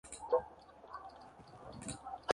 Este documento tiene validez por diez años.